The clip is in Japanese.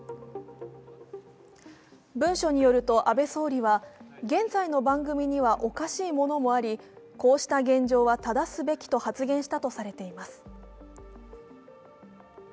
文書によると安倍総理は、現在の番組にはおかしいものもありこうした現状は正すべきと発言したとされています。